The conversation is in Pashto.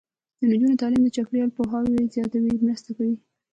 د نجونو تعلیم د چاپیریال پوهاوي زیاتولو مرسته کوي.